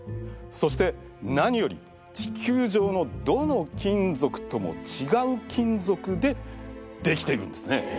そして何より地球上のどの金属とも違う金属で出来ているんですね。